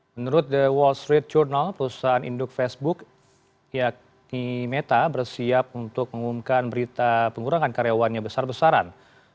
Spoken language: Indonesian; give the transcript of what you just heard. menurut the wall street journal perusahaan induk facebook yakni meta bersiap untuk mengumumkan berita pengurangan karyawannya besar besaran